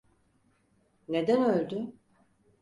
Neden öldü?